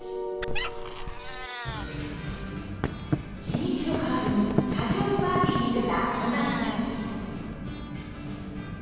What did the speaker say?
新一の代わりに誕生日パーティーに出たコナンたち。